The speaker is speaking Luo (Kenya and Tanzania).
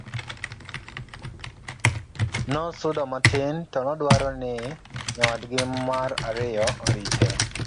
nosudo matin to nodwaro ni nyawadgi mar ariyo orite